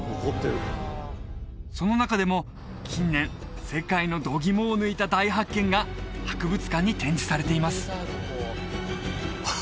その中でも近年世界の度肝を抜いた大発見が博物館に展示されています